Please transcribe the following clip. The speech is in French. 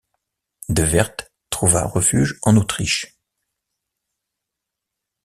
De Werth trouva refuge en Autriche.